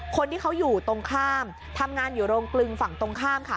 คนที่เขาอยู่ตรงข้ามทำงานอยู่โรงกลึงฝั่งตรงข้ามค่ะ